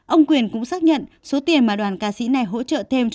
ông quyền cũng xác nhận số tiền mà đoàn ca sĩ này phát tiền là ba triệu đồng mỗi hộ